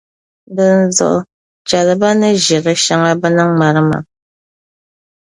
Dinzuɣu, chɛli ba ni ʒiri shɛŋa bɛ ni ŋmari maa.